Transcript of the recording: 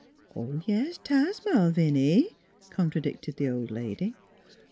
" Oh, yes, 't has, Malviny," contradicted the old lady.